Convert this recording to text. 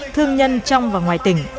thương nhân trong và ngoài tỉnh